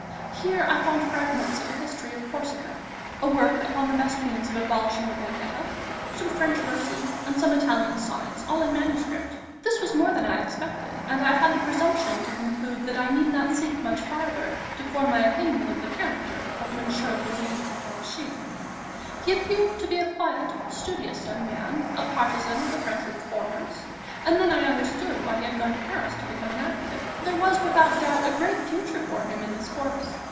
Here I found fragments of a history of Corsica, a work upon the best means of abolishing the Vendetta, some French verses, and some Italian sonnets, all in manuscript. This was more than I expected, and I had the presumption to conclude that I need not seek much farther to form my opinion of the character of Monsieur Louis de Franchi. He appeared to be a quiet, studious young man, a partizan of the French reformers, and then I understood why he had gone to Paris to become an advocate. There was, without doubt, a great future for him in this course.